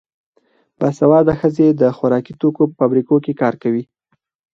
باسواده ښځې د خوراکي توکو په فابریکو کې کار کوي.